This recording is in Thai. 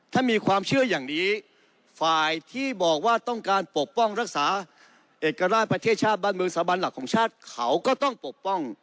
ถ้ามีความเชื่ออย่างนี้ฝ่ายที่บอกว่าต้องการปกป้องรักษาเอกราชประเทศชาติบ้านเมืองสาบันหลักของชาติเขาก็ต้องปกป้อง